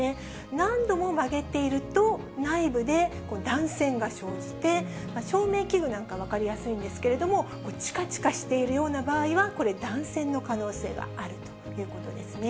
何度も曲げていると内部で断線が生じて、照明器具なんか分かりやすいんですけれども、ちかちかしているような場合は、これ、断線の可能性があるということですね。